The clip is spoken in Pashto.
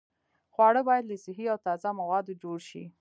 خواړه باید له صحي او تازه موادو جوړ شي.